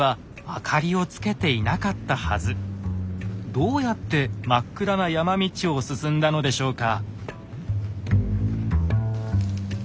どうやって真っ暗な山道を進んだのでしょうか？